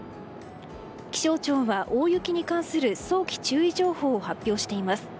気象庁は、大雪に関する早期注意情報を発表しています。